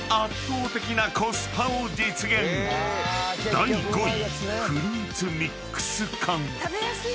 ［第５位］